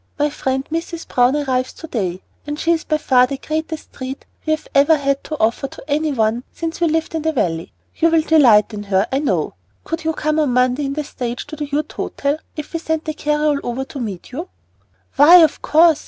"My friend Mrs. Browne arrives to day, and she is by far the greatest treat we have ever had to offer to any one since we lived in the Valley. You will delight in her, I know. Could you come on Monday in the stage to the Ute Hotel, if we sent the carryall over to meet you?" "Why, of course.